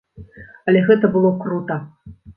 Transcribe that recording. Але гэта было крута!